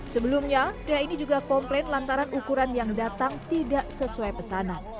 sebelumnya pria ini juga komplain lantaran ukuran yang datang tidak sesuai pesanan